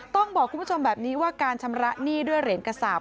ต้องบอกคุณผู้ชมแบบนี้ว่าการชำระหนี้ด้วยเหรียญกระสาป